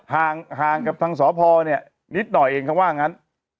ห่างกับทางสพเนี่ยนิดหน่อยเองเขาว่างั้น